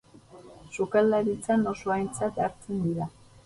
Sukaldaritzan oso aintzat hartzen dira.